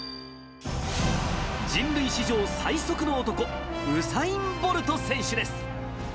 人類史上最速の男、ウサイン・ボルト選手です。